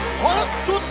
ちょっと！